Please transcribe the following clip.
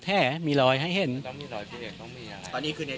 แผลมีรอยให้เห็นต้องมีรอยเบรกต้องมีอะไรตอนนี้คือใน